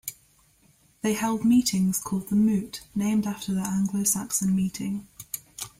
They held meetings called 'The Moot', named after the Anglo-Saxon meeting.